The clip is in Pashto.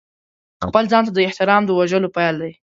خپل ځان ته د احترام د وژلو پیل دی.